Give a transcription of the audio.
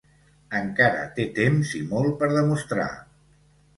Encara té temps i molt per demostrar.